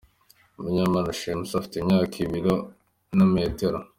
Munyana Shemsa afite imyaka , ibiro na metero .